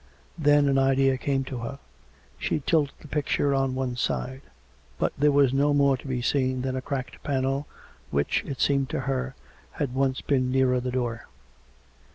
Then an idea came to her: she tilted the picture on one side. But there was no more to be seen than a cracked panel, which, it seemed to her, had once been nearer the door.